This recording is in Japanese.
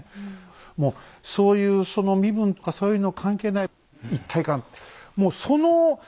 もうそういうその身分とかそういうの関係ない一体感。